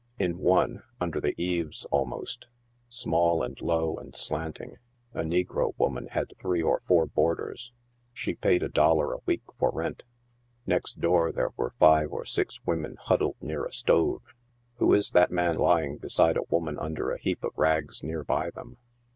In one, under the eaves almost, small and low and slur 1 ting, a negro woman had three or four boarders ; she paid a doliar a week for rent. Next door there were five or six women huddled near a stove. Who is that man lying beside a woman under a heap of rags near by them